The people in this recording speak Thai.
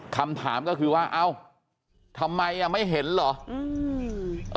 คำถามก็คือว่าเอ้าทำไมอ่ะไม่เห็นเหรอ